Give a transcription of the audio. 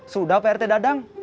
sudah pak rt dadang